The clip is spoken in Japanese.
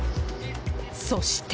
そして。